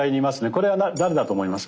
これは誰だと思います？